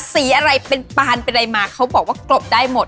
สีอะไรเป็นปานเป็นอะไรมาเขาบอกว่ากรบได้หมด